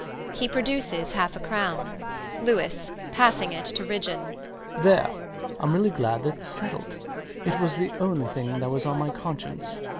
[He produces half a crown]. LOUIS [passing it to Ridgeon] There! I'm really glad thats settled: it was the only thing that was on my conscience.